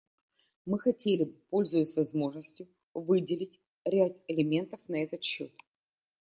И мы хотели бы, пользуясь возможностью, выделить ряд элементов на этот счет.